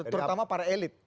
terutama para elit